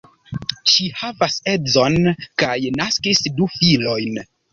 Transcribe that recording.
Ŝi havas edzon kaj naskis du filojn.